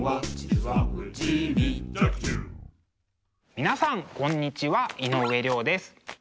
皆さんこんにちは井上涼です。